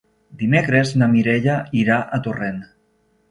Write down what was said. Dimecres na Mireia irà a Torrent.